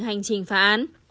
hành trình phá án